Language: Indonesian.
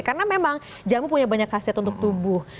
karena memang jamu punya banyak hasil untuk tubuh